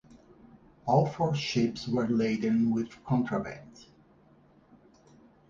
All four ships were laden with contraband.